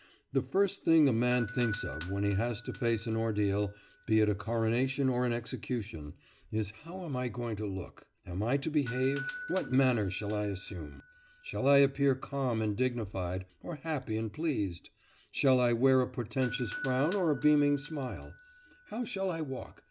The first thing a man thinks of when he has to face any ordeal, be it a coronation or an execution, is, how am I going to look? how am I to behave? what manner shall I assume? shall I appear calm and dignified, or happy and pleased? shall I wear a portentous frown or a beaming smile? how shall I walk?